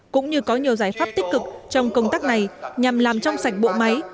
cũng như có nhiều giải pháp tích cực trong công tác này nhằm làm trong sạch bộ máy